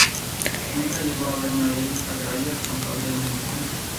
Nunca llegó a haber una Ley Agraria con tal denominación.